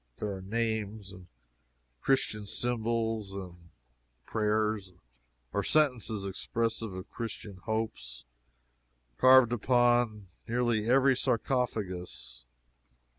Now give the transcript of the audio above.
There are names, and Christian symbols, and prayers, or sentences expressive of Christian hopes, carved upon nearly every sarcophagus.